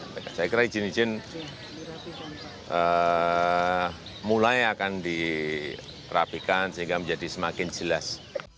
saya kira izin izin mulai akan dirapikan sehingga menjadi semakin jelas